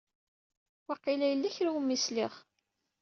Waqila yella kra i wumi sliɣ.